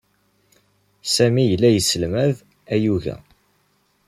Sami yella yesselmad ayuga.